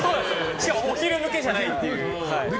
しかもお昼向きじゃないっていう。